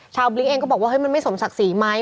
บลิ้งเองก็บอกว่ามันไม่สมศักดิ์ศรีไหม